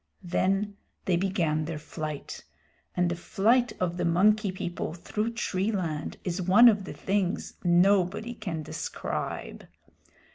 Then they began their flight; and the flight of the Monkey People through tree land is one of the things nobody can describe.